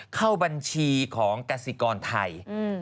เข้าบัญชีของกสิกรไทย